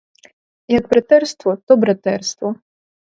Як братерство, то братерство.